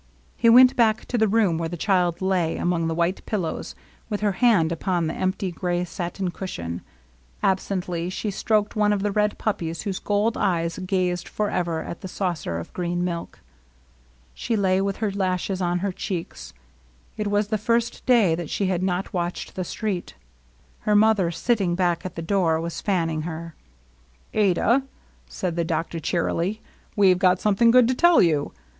He went back to the room where the child lay among the white pillows, with her hand upon the empty gray satin cushion. Absently she stroked one of the red puppies whose gold eyes gazed for ever at the saucer of green milk. She lay with her lashes on her cheeks. It was the first day that she had not watched the street. Her mother, sitting back at the door, was fanning her. " Adah !" said the doctor cheerily. " We Ve got something good to tell you.